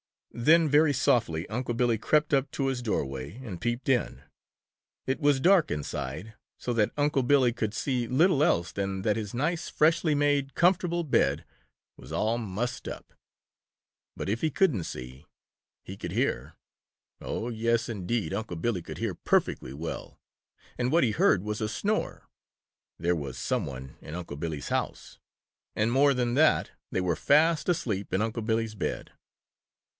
Then very softly Unc' Billy crept up to his doorway and peeped in. It was dark inside, so that Unc' Billy could see little else than that his nice, freshly made, comfortable bed was all mussed up. But if he couldn't see, he could hear. Oh, yes, indeed, Unc' Billy could hear perfectly well, and what he heard was a snore! There was some one in Unc' Billy's house, and more than that, they were fast asleep in Unc' Billy's bed.